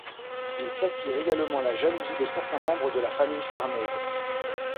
Il s'attire également la jalousie de certains membres de famille Farnèse.